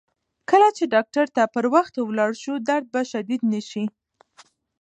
کله چې ډاکتر ته پر وخت ولاړ شو، درد به شدید نه شي.